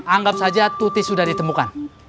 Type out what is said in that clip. anggap saja tuti sudah ditemukan